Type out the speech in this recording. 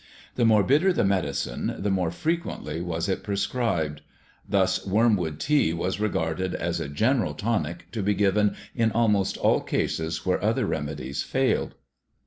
The more bitter the medicine, the more frequently was it prescribed. Thus wormwood tea was regarded as a general tonic to be given in almost all cases where other remedies failed.